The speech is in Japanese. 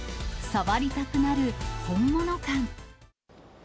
触りたくなる本物感。